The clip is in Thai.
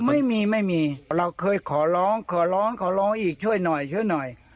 ไม่มีไม่มีเราเคยขอร้องขอร้องขอร้องอีกช่วยหน่อยช่วยหน่อย